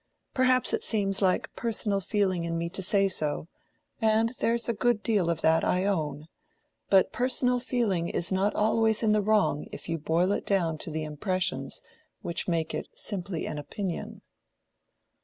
Perhaps it seems like personal feeling in me to say so—and there's a good deal of that, I own—but personal feeling is not always in the wrong if you boil it down to the impressions which make it simply an opinion."